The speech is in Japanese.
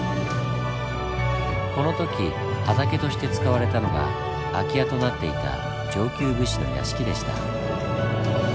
この時畑として使われたのが空き家となっていた上級武士の屋敷でした。